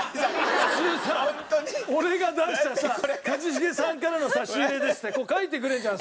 普通さ俺が出したさ「一茂さんからの差し入れです」って書いてくれるじゃん